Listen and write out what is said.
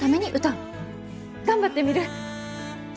頑張ってみる。